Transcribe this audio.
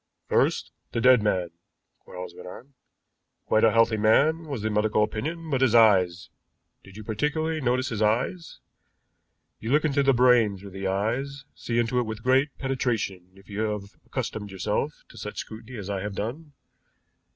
"First, the dead man," Quarles went on. "Quite a healthy man was the medical opinion but his eyes. Did you particularly notice his eyes? You look into the brain through the eyes, see into it with great penetration if you have accustomed yourself to such scrutiny as I have done.